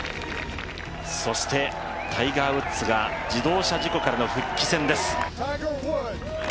そして、タイガー・ウッズが自動車事故からの復帰戦です。